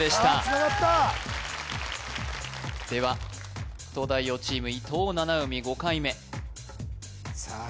つながったでは東大王チーム伊藤七海５回目さあ